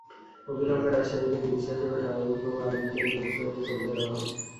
অবিলম্বে রাজশাহীতে চিকিৎসাসেবা স্বাভাবিক হোক, আইনকে নিজস্ব পথে চলতে দেওয়া হোক।